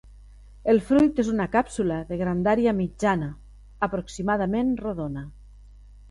El fruit és una càpsula de grandària mitjana, aproximadament rodona.